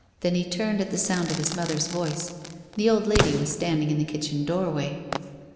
Then he turned at the sound of his mother's voice. The old lady was standing in the kitchen doorway.